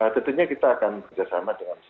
tentunya kita akan bekerjasama dengan